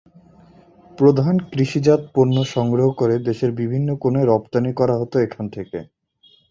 প্রধানত কৃষিজাত পণ্য সংগ্রহ করে দেশের বিভিন্ন কোণে রফতানি করা হত এখান থেকে।